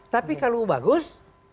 tapi kalau bagus